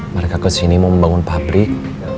mereka kesini mau membangun pabrik